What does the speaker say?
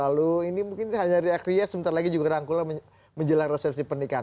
lalu ini mungkin hanya diakui ya sebentar lagi juga rangkulan menjelang resursi pernikahan